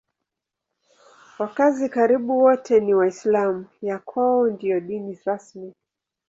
Wakazi karibu wote ni Waislamu; ya kwao ndiyo dini rasmi.